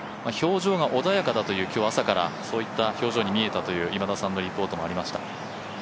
表情が穏やかだという、朝からそういった表情に見えたという今田さんのリポートもありました。